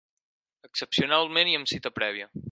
Excepcionalment i amb cita prèvia.